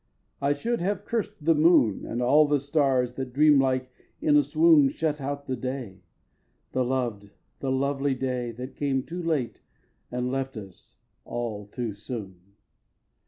I should have curst the moon And all the stars that, dream like, in a swoon Shut out the day, the lov'd, the lovely day That came too late and left us all too soon.